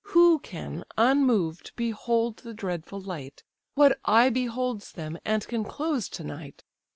Who can, unmoved, behold the dreadful light? What eye beholds them, and can close to night?